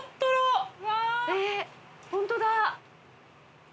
ホントだ！